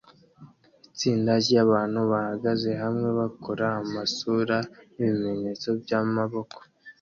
Itsinda ryabantu bahagaze hamwe bakora amasura nibimenyetso byamaboko